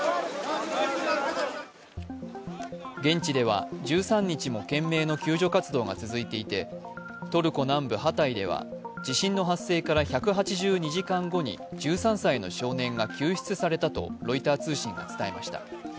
現地では１３日も懸命の救助活動が続いていてトルコ南部ハタイでは地震の発生から１８２時間後に１３歳の少年が救出されたとロイター通信が伝えました。